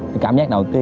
bị trầy ngồi da thôi à